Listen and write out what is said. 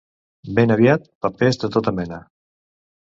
Ben aviat, papers de tota mena.